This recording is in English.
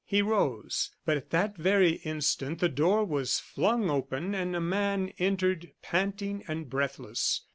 He rose but at that very instant the door was flung open and a man entered, panting and breathless.